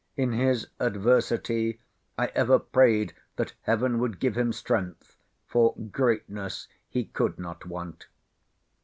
In his adversity I ever prayed that heaven would give him strength; for greatness he could not want."